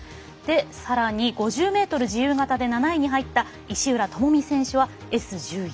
さらに５０ｍ自由形で７位に入った石浦智美選手はＳ１１。